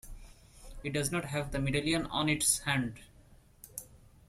It does not have the medallion on its hand.